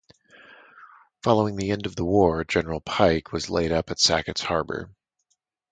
Following the end of the war, "General Pike" was laid up at Sackett's Harbor.